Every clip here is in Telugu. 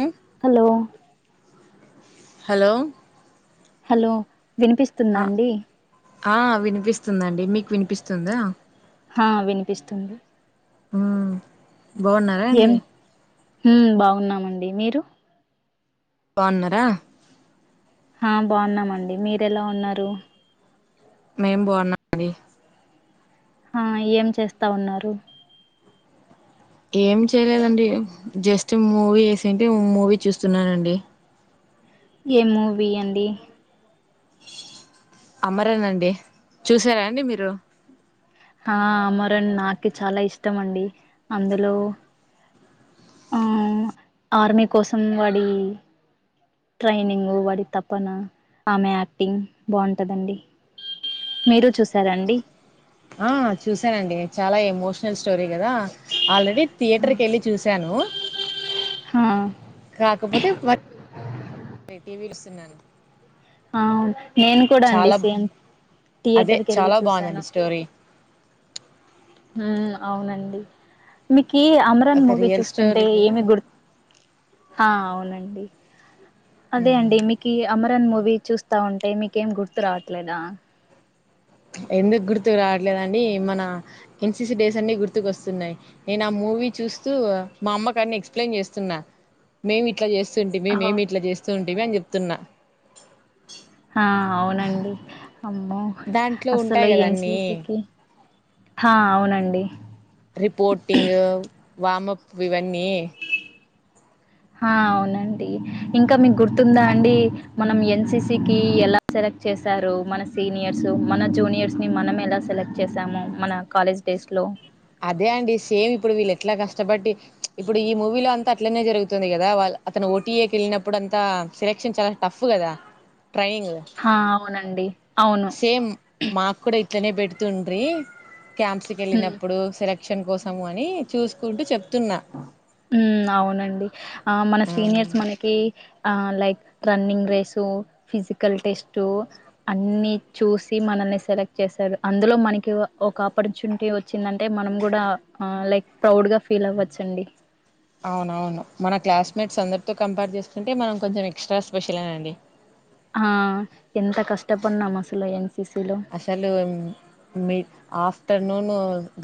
ఉ హలో హలో హలో ఆ వినిపిస్తుందా అండి ఆ వినిపిస్తుందండి మీకు వినిపిస్తుందా వినిపిస్తుంది ఉ బాగున్నారా అండి హ బాగున్నామండి మీరు బన్నరా ఆ బాగున్నామండి మీర ఎలా ఉన్నారు మేం బాగున్నాం అండి ఆ ఏం చేస్తా ఉన్నారు ఏం చేయలేదండి జస్ట్ మూవీ వేసింటే మూవీ చూస్తున్నానండి ఏ మూవీ అండి అమరేనాండి చూసారా అండి మీరు ఆ అమరణ్ నాకు చాలా ఇష్టం అండి అందులో ఆ ఆర్మీ కోసం వాడి ట్రైనింగ్ వాడి తపన ఆమె యాక్టింగ్ బాగుంటందండి మీరు చూసారాండి ఆ చూసానండి చాలా ఎమోషనల్ స్టోరీ కదా ఆల్రెడీ థియేటర్కి వెళ్ళి చూశాను హా కాకపోతేటీవీలుస్తున్నాను ఆ నేను కూడా అండి సేమ్ అదే థియేటర్కి వెళ్ళి చాలా చూసాను బాగుందండి స్టోరీ హ అవునండి మీ క అమరాన్ ఒక మూవీ రియల్ చూస్తుంటే స్టోరీ కదా ఏమి గుర్ అవునండి అదే అండి మీకు అమరన్ మూవీ చూస్తా ఉంటే మీకేం గుర్తు రావట్లేదా ఎందుకు గుర్తుకు రావట్లేదండి మన ఎన్సిసి డేస్ అన్ని గుర్తుకు వస్తున్నాయి నేను ఆ మూవీ చూస్తూ మా అమ్మకాన్ని ఎక్సయిన్ చేస్తున్నా మేమి ఇట్లా చేస్తుూంట మే ఆహా! మేమి ఇట్లా చేస్తూ ఉంటంటివి అని చెప్తున్నా ఆ అవునండి అమ్మో దాంట్లో ఉంటాయి అసలు కదా అన్నీ ఎంసీసీకి హ అవునండి రిపోర్టింగ్ వప్ వివ ఆ అవునండి ఇంకా మీకు గుర్తుందా అండి మనం ఎన్సిసి క ఎలా సెలెక్ట్ చేారు మన సీనియర్స్ మన జూనియర్స్ ని మన ఎలా సెలెక్ట్ చేసాము మన కాలేజ్ డేస్ లో అదే అండి సేమ్ ఇప్పుడు వీళ్ళు ఎట్లా కష్టపట్టి ఇప్పుడు ఈ మూవీలో అంతా అట్లనే జరుగుతుంది కదా వా అతను ఓటీఏ క వెళ్ళినప్పుడు అంతా స సిలక్షన్ చాలా టఫ్ కదా ట్రైనింగ్ హా! అవునండి. అవును. సేమ్ మాకు కూడా తనే బట్తుండ్రీ క్యాంప్స్ క వెళ్న హ్మ్. సెలక్షన్ కోసము అని చూసుకుంటూ చెప్త అవునండి ఆ మన సీనియర్స్ మనకి like running race physical test అన్నీ చూసి మనల్ని సెలెక్ట్ చేశారు అందులో మనకి ఒక ఆపర్చునిటీ వచ్చిందంటే మనం కూడా ఆ లైక్ ప్రౌడ్ గా ఫీల్ అవ్వచ్చండి అవునవును మన క్లాస్మేట్స్ అందరితో కంపేర్ చేసుకుంటే మనం కొంచెం ఎక్స్ట్రా స్పెషల్నా అండి ఆ ఎంత కష్టపడినాం అసలు ఎన్సిసిలో అసలు మీ ఆఫ్టర్నూన్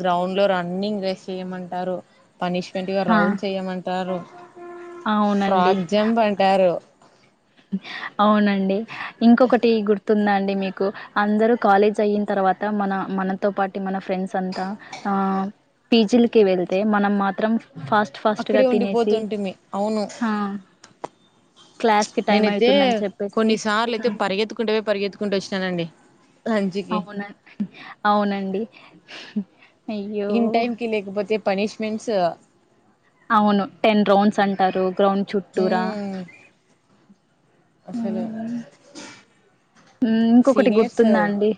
గ్రౌండ్ లో రన్నింగ్ రేస్ చెయమంటారు పనిష్మెంట్గా ఆ! రౌండ్ చేయమంటారు అవునండి. ఫ్రాక్ జంప్ అంటారు అవునండి ఇంకొకటి గుర్తు గుర్తుందా మీకు అందరుూ కాలేజ్ అయిన తర్వాత మన మనతో పాటు మన ఫ్రెండ్స్ అంతా ఆ పీజిలకి వెళ్తే మనం మాత్రం ఫాస్ట్ ఫాస్ట్ గా అక్కడే తినేసి ఉండిపోతుంటిమి అవును హా క నేనైతే కొన్నిసార్లు అయితే పరిగెత్తుకుంటేవే పరిగెత్తుకుంటూ వచ్చినానండి లంచ్కి అవున అవునండి అయ్యో! ఇన్ టైం కి లేకపోతే పనిష్మెంట్స్ అవును టెన్ రౌండ్స్ అంటారు గ్రౌండ్ చుట్టూరా మ్మ్ అసలు హ్మ్. ఇంకొకటి సీనియర్స్ గుర్తుందా అండి?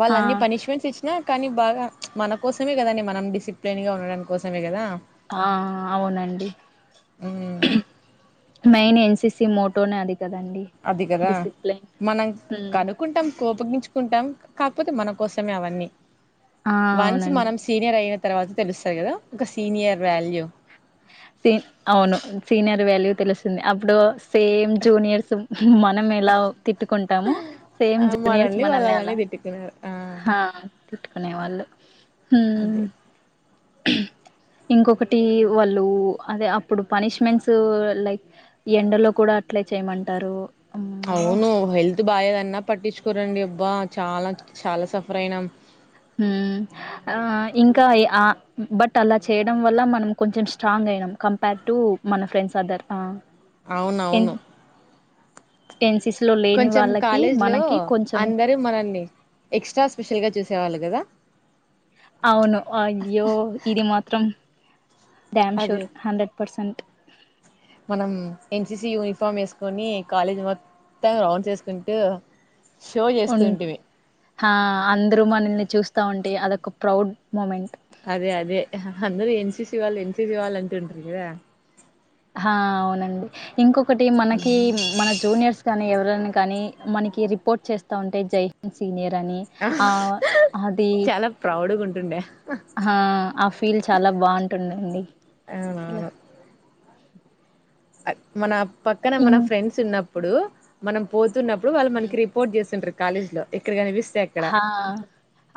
వాళ్ళు ఆ! అన్ని పనిష్మెంట్స్ ఇచ్చినా కానీ బాగా మన కోసమే కదాండి మనం డిసిప్లిన్ గా ఉండడానికి కోసమే కదా ఆ అవునండి ఉమ్ మెన్ ఎన్సీసి మోటో అధి అది కదా మనం హ్మ్. కనుక్కుంటాం కోప తిట్టుకుంటాం కాకపోతే మన కోసమే అవన్నీ ఆ వన్స్ అవునండి మనం సీనియర్ అయి తర్వాత తెలుస్తారు కదా ఒక సీనియర్ వాల్యూ అవును సీనియర్ వాల్యూ తెలుస్తుంది అప్పుడు సేమ్ జూనియర్స్ మనం ఎలా తిట్టుకుంటాము సేమ్ ఆ జూనియర్స్ వాళ్ళు మనల్ని అలానే అలా తిట్టుకున్నారు ఆ హ తిట్టుకునే వాళ్ళు అదే హ్మ్ [inaudible] ఇంకొకటి వాళ్ళు అదే అప్పుడు పనిష్మెంట్స్ లైక్ ఎండలో కూడా అట్లే చేయమంటారు అమ్మో అవును హెల్త్ బాలేదన్న పట్టి కూరండి అబ్బా చాలా చాలా సఫర్ అయినాం ఆ ఇంకా ఆ బట్ అలా చేయడం వల్ల మనం కొంచెం స్ట్రాంగ్ అ కంపేర్ టు మన ఫ్రెండ్స్ అదర్ ఎన్ అవునవును టెన్సీస్లో లేని కొంచెం వాళ్ళకి కాలేజీ లో మనకి కొంచెం అందరు మనల్ని ఎక్స్ట్రా స్పెషల్ గా చూసేవాళ్ళు కదా అవును అయ్యో ఇది మాత్రం అదే డ్యామ్షూర్ హండ్రెడ్ పర్సెంట్ మనం ఎన్సిసి యూనిఫామ్ వేసుకొని కాలేజ్ అంత రౌండ్ చేసుకుంటూ ఉ అందరూ మనల్ని చూస్తా ఉంటే అదొక ప్రౌడ్ మూమెంట్ అదే అదే అందర ఎన్సిసి వాళ్ళు ఎన్సిసి వాళ్ళు అంటంటరి కదా హా అవునండి ఇంకొకటి మనకి మన జూనియర్స్ కాగానీ ఎవ కాని మనకి రిపోర్ట్ చేస్తా ఉంటే జై సీనియర్ అది చాలా ప్రౌడ్గా ఉంటుండే హా ఫీల్ చాలా బాగుంటుందండి అసలు అవునావును మన పక్కన ఇం మన ఫ్రెండ్స్ ఉన్నప్పుడు మనం పో స్తున్నప్పుడు వాళ్ళ మకి రిపోర్ట్ చేస్తుంటారు కాలజ్ లో ఇక్కడ కనిపిస్తే అక్కడ హా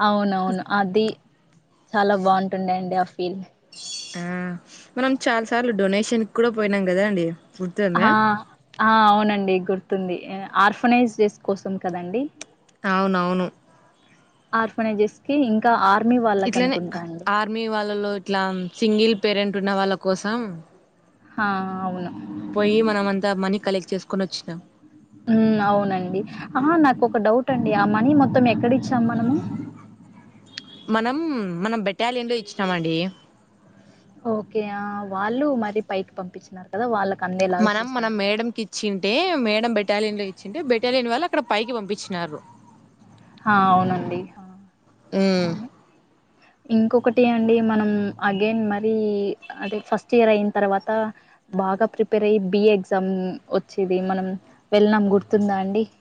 అవునవును అది చాలా బాగుంటుంది ఆ ఫీల్ ఉమ్ మనం చాలా సార్లు డొనేషన్ కూడా పోయినాం కదా అండి గుర్తుందా హా అవునండి గుర్తుంది ఆర్ఫనైజ్ చేస్ కోసం కదండి అవునవును ఆర్ఫనేైజెస్ కి ఇంకా ఆ ఇట్లనే ఆర్మీ వాళ్ళలో ఇట్లా సింగిల్ పేరెంట్ ఉన్న వాళ్ళ కోసం ఆ అవును పోయి మనం అంతా మనీ కలెక్ట్ చేసుకొని ఓచ్చిన ఊ అవునండి ఆ నాకు ఒక డౌట్ అండి ఆ మనీ మొత్తం ఎక్కడిచ్చాం మనము మనం మనం బెటాలియన్ లో ఇచ్చినమండి ఓకే ఆ వాళ్ళు మరి పైకి పంపించినారు కదా వాళ్ళ మనం మన మేడ కిచ్చింటే మేడం బెటాలియన్ లో చ్చంటే బెటాలియన్ వాళ్ళు అక్కడ పైకి పంపించినారు ఆ అవునండి ఉమ్, ఇంకొకటి అండి మనం అగైన్ మరీ అదే ఫస్ట్ ఇయర్ అయితర్వాత బాగా ప్రిపేర్ అయ్యి బిఏ ఎగ్జామ్ వచ్చేది మనం వెళ్ళనాం గుర్తుందా అండి [inaudible]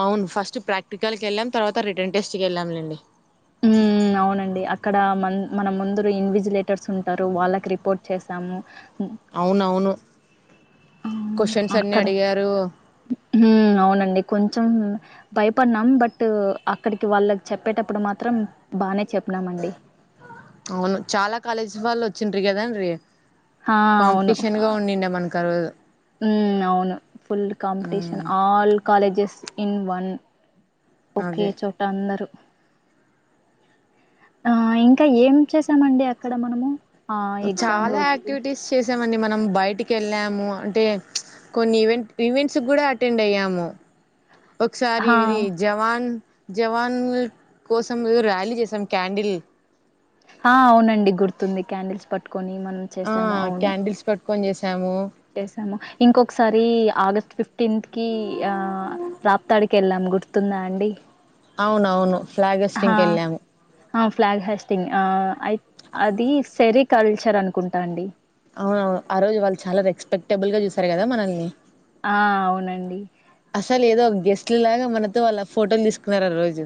అవును ఫస్ట్ ప్రాక్టికల్కి ఎళ్ళాం తర్వాత రిటర్న్ టెస్ట్కి ఎళ్ళాంలేండి ఉమ్మ్ ఊ అవునండి అక్కడ మ మన ముందు ఇన్విజిలేటర్స్ ఉంటరు వాళ్ళకి రిపోర్ట్ చేసాము అవునవును ఆ క్వశ్చన్స్ అన్ని అక్కడ అడిగారు ఉమ్మ్ అవునండి కొంచెం భయపడ్నాం బట్ అక్కడికి వాళ్ళకి చెప్పేటప్పుడు మాత్రం బానే చెప్ అవును చాలా కాలేజీ వాళ్ళు ఓచ్చిండ్ర గదా రె ఆ అవును ఆ ఆ రోజు ఊ అవును full competition um all colleges in one ఒకే అదే చోట అందరు ఆ ఇంక ఏం చేసామండి అక్కడ మనము ఆ ఎగ్జామ్ చాలా రోజు. యాక్టివిటీస్ చేసామండి మనం బయటికి ఎళ్ళాము అంటే కొన్ని ఈవెంట్ ఈవెంట్స్ గుడ అటెండ్ అయ్యమూ ఒకసారి ఇది ఆ! జవాన్ జవాన్ కోసం ర్యాలీ జెసాం క్యాండిల్ ఆ అవునండి గుర్తుంది క్యాండిల్స్ పట్టుకొని మనం ఆ చేసాము అవును క్యాండిల్స్ పట్టుకొని చేసాము చేసామ ఇంకొకసారి ఆగస్ట్ ఫిఫ్టీన్త్ కీ ఆ రాప్తాడికి ఎళ్ళాం గుర్తుందా అండి అవునవును ఫ్లాగ్ హోస్టింగ్ కి వెళ్ళాము ఆ ఫ్లాగ్హోస్టింగ్ ఆ అయి అది సేరిక్ కల్చర్ అనుకుంటా అండి అవునవును ఆ రోజు వాళ్ళు చాలా రెస్పెక్టబుల్ గా చూసారు గదా మనల్ని ఆ అవునండి ఇట్లగా మనతో వాళ్ళ ఫోటోలు తీసుకున్నరు ఆ రోజు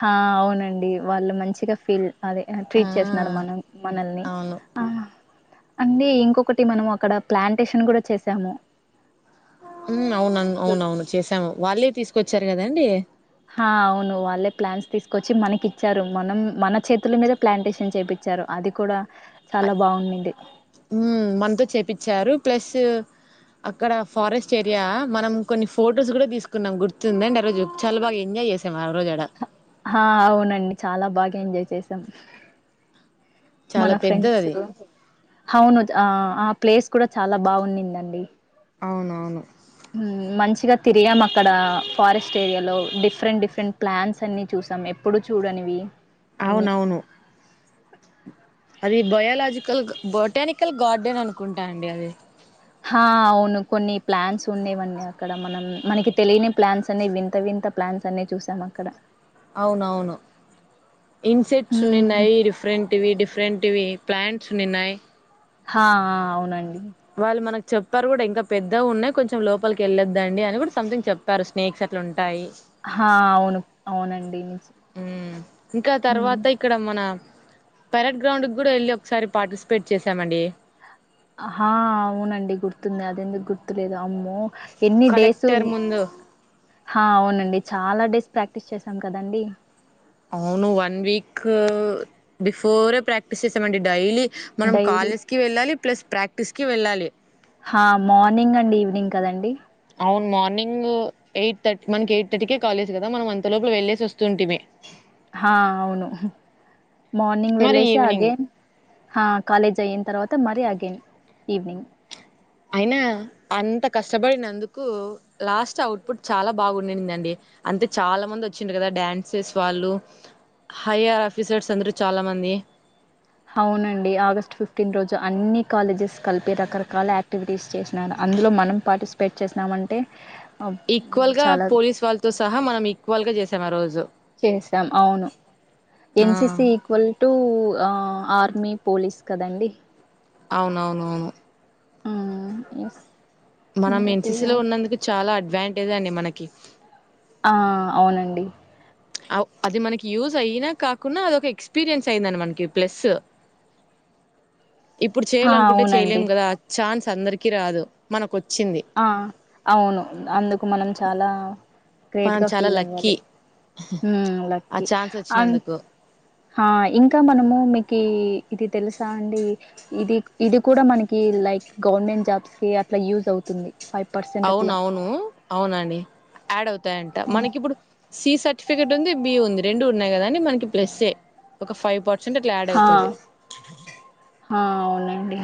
హ అవునండి వాళ్ళు మంచిగా ఫీల్ అదే ఆ ట్రీట్ చేసినారు మనం మనల్ని అవును ఆ అంటే ఇంకొకటి మనం అక్కడ ప్లాంటేషన్ గుడా చేసాము ఊ అవునను అవునవును చేసాము వాళ్ళే తీసుకొచ్చారు గదండీ హ అవును వాళ్ళే ప్లానుస్ తీసుకొచ్చి మనకి ఇచ్చారు మనం మన చేతుల మీద ప్లాంటేషన్ చేపి ఇచ్చరు అది కూడా చాలా బావుండింది. ఊ మనతో చేపిచ్చారు ప్లస్ అక్కడ ఫారెస్ట్ ఏరియా మనం కొన్ని ఫొటోస్ గుడ తీసుకున్నాం గుర్తుందండి ఆ రోజు చాలా బాగా ఎంజాయ్ ఎంజాయ్ చేశాము ఆరోజు అడ హ అవునండి చాలా బాగ ఎంజాయ్ చేసాం మన చాలా పెద్దది ఫ్రెండ్స్ అది కు అవును ఆ ఆ ప్లేస్ కూడా చాలా బాగుండిందండి అవునవును మంచిగా తిరిగాం మక్కడా ఫారెస్ట్ ఏరియాలో డిఫరెంట్ డిఫరెంట్ ప్లాంట్స్ అన్ని చూసాం ఎప్పుడు చూడనివి అన్నీ. అవునవును అది బయాలజికల్ బొటానికల్ గార్డెన్ అనుకుంటా అండి అది ఆ అవును కొన్ని ప్లాన్స్ ఉన్నాేవండి అక్కడ మనం మనకి తెలియని ప్లాన్స్ అనేవి వింత వింత కొత్త ప్లాంట్స్ అన్ని చూసాం అక్కడ అవునవును ఇన్సెక్ట్స్ ఉన్ని హ్మ్. ఉన్నాయి డిఫరెంట్ ఇవి డిఫరెంట్ ఇవి ప్లాంట్స్ ఉన్నిన్నాయి హ ఆ ఆ అవునండి వాళ్ళు మనకి చెప్పారు కూడా ఇంకా పెద్దగా ఉన్నాయి కొంచెం లోపలికి వెళ్ళొద్దండి అని కూడా సంథింగ్ చెప్పారు స్నేక్స్ అట్లా ఉంట ఆ అవును అవునండి ఉ ఇంకా హ్మ్ తర్వాత ఇక్కడ మన పరేడ్ గ్రౌండ్ కూడా వెళ్ళి ఒకసారి పార్టిసిపేట్ చేశామండి ఆ అవునండి గుర్తుంది అదెందుకు గుర్తులేదు అమ్మ ఎన్ని డేస్ కలెక్టర్ ముందు అవునండి చాలా డేస్ ప్రాక్టీస్ చేసాం కదండి అవును వన్ వీక్ బిఫోరే ప్రాక్టీస్ చేసామండి డైలీ మనం డైలీ కాలేజ్ కి వెళ్ళాలి ప్లస్ ప్రాక్టీస్ కి వెళ్ళాలి మార్నింగ్ అండి ఈవినింగ్ కదండి అవును మార్నింగ్ ఎయిట్ థర్ మనకి ఎయిట్ థర్టీకే కాలేజ్ కదా మనం అంత లోపల వెళ్లేేసి వస్తుంటిమీ ఆ అవును మార్నింగ్ మరి వెళ్ళసి ఈవినింగ్ అగేన్ కాలేజ్ అయిన తర్వాత మరి అగెన్ ఈవినింగ్ అయినా అంత కష్టపడినందుకు లాస్ట్ అవుట్పుట్ చాలా బాగుందండి అంతే చాలా మంది వచ్చిండ కదా డ్యాన్సెస్ వాళ్ళు హయర్ ఆఫీసర్స్ అందరూ చాలా మంది అవునండి ఆగస్ట్ ఫిఫ్టీన్ రోజు అన్ని కాలేజెస్ కలిపి రకరకాల యాక్టివిటీస్ చేసిన ఇందులో మనం పార్టిసిపేట్ చేసినామ అంటే ఈక్వల్ గా పోలీస్ వాళ్ళతో సహా మనం ఈక్వల్ గా చేసాం ఆ రోజు చేసాం అవును ఆ NCC equal to army police కదండి అవునవునవును ఆ ఎస్ మనం ఎన్సిసి లో ఉన్నందుకు చాలా అడ్వాంటేజ్ అండి మనకి ఆ అవునండి అది మనకి యూజ్ అయినా కాకుంన్నా అది ఒక ఎక్స్పీరియన్స్ అయిందండి మనకి ప్లస్ ఆ ఇప్పుడు చేయాలనుకుంటే చేయలేం అవునండి. కదా ఆ ఛాన్స్ అందరికి రాదు మన ఆ అవును అందుకు మనం చాలా గ్రేట్ మనం గా చాలా ఫీల్ లక్కీ అవ్వాలి ఆ లక్కీ ఛాన్స్ అ వచ్చినందుకు ఆ ఇంకా మనము మీకు ఇది తెలుసా అండి ఇది ఇది కూడా మనకి లైక్ గవర్నమెంట్ జాబ్స్ కి అట్లా యూజ్ అవుతుంది ఫైవ్ పర్సెంట్ అవున అట్లా అవును అవునండి యాడ్ అవుతాయంట మనకి ఇప్పుడు సి సర్టిఫికేట్ ఉంది బి ఉంది రెండు ఉన్నాయి కదా అండి మనకి ప్లస్ ఏ ఒక ఫైవ్ పట్ హ ఆ అవునండి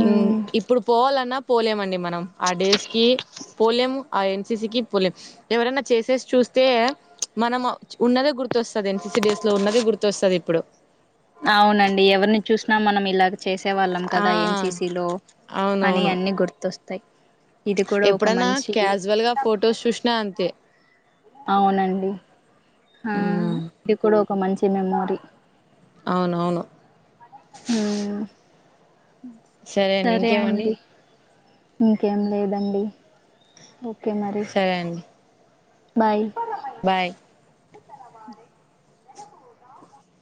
ఇన్ ఇప్పుడు పోవాలన్నా పోలేమండి మనం ఆ డేస్ కి పోలేం ఆ ఎన్సిసి క పోలేం ఎవరైనా చేసేసి చూస్తే మనం ఉన్నదే గుర్తుస్తుంది ఎన్సిసిడడిస్ లో ఉన్నదే గుర్తొస్తుంది ఇప్పుడు అవునండి ఎవరిని చూసినా మనం ఇలాగ చేసేవాళ్ళం ఆ కదా ఏన్సీసీలో అని అన్నీ గుర్తొస్తాయి ఇది కూడా ఒక ఎప్పుడైనా మంచి క్యాజువల్ గా ఫొటోస్ చూసినా అంతే అవునండి ఆ ఉమ్, ఇది కూడా ఒక మంచి మెమోరీ అవునవును ఉ సరే అండి ఇంకేమండి ఇంకేం లేదండి ఓకే మరి సరే అండి బాయ్ బాయ్